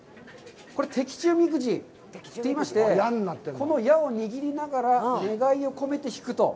これ、「的中みくじ」といいまして、この矢を握りながら願いを込めて引くと。